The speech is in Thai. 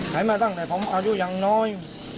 ขายมาตั้งแต่พร้อมอายุอย่างน้อย